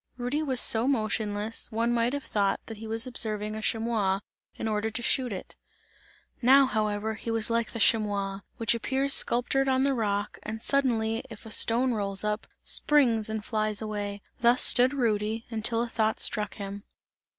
Rudy was so motionless, one might have thought that he was observing a chamois, in order to shoot it. Now, however, he was like the chamois which appears sculptured on the rock, and suddenly if a stone rolls, springs and flies away thus stood Rudy, until a thought struck him.